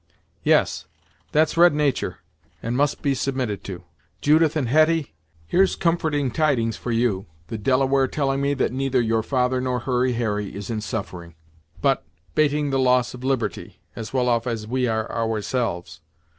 "Yes, that's red natur', and must be submitted to! Judith and Hetty, here's comforting tidings for you, the Delaware telling me that neither your father nor Hurry Harry is in suffering, but, bating the loss of liberty, as well off as we are ourselves.